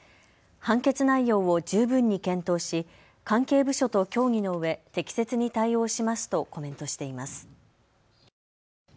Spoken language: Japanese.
判決内容を十分に検討し関係部署と協議のうえ適切に対応しますとコメントしています。